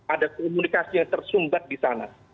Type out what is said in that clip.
ada komunikasi yang tersumbat di sana